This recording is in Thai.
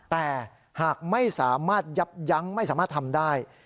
แต่หากไม่สามารถยับยั้งไม่สามารถทำได้